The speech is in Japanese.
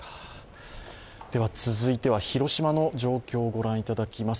続いては広島の状況をご覧いただきます。